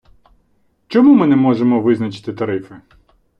Чому ми не можемо визначити тарифи.